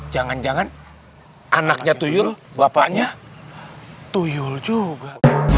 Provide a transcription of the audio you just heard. jangan jangan anaknya tuyul bapaknya tuyul juga